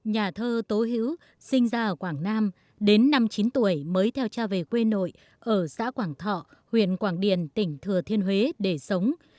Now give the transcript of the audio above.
nhà thơ tố hữu sinh ra ở quảng nam đến năm chín tuổi mới theo cha về quê nội ở xã quảng thọ huyện quảng điền tỉnh thừa thiên huế để sống